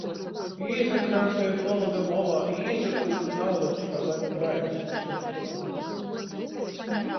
Īsakrampeju pologa molā i īsakūžu naulačkā, lai nu bailis nasuoktu rauduot.